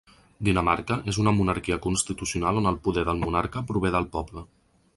Dinamarca és una monarquia constitucional on el poder del monarca prové del poble.